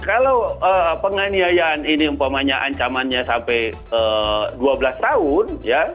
kalau penganiayaan ini umpamanya ancamannya sampai dua belas tahun ya